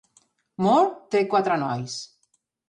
Mohr té quatre nois.